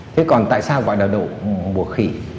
thế còn tại sao gọi là đậu mùa khỉ